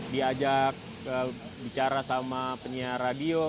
diajak bicara sama penyiar radio